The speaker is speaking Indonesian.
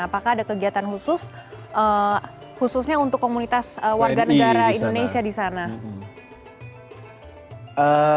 apakah ada kegiatan khusus khususnya untuk komunitas warga negara indonesia di sana